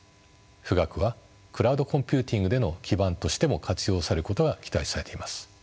富岳はクラウドコンピューティングでの基盤としても活用されることが期待されています。